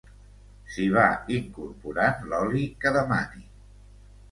s'hi va incorporant l'oli que demani